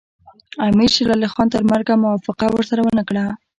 امیر شېر علي خان تر مرګه موافقه ورسره ونه کړه.